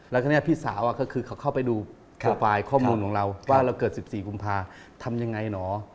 แล้วทีนี้พี่สาวก็คือเขาเข้าไปดูโปรไฟล์ข้อมูลของเราว่าเราเกิด๑๔กุมภาทำยังไงหนอ